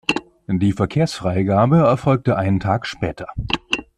Die Verkehrsfreigabe erfolgte einen Tag später.